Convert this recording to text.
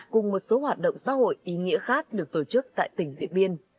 cùng một số hoạt động xã hội ý nghĩa khác được tổ chức tại tỉnh điện biên